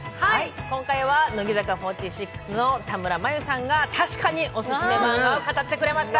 今回は乃木坂４６の田村真佑さんがたしかにオススメマンガを語ってくれました。